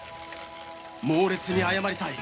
猛烈に謝りたい。